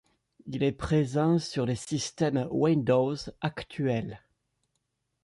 Il est présent sur les systèmes Windows actuels.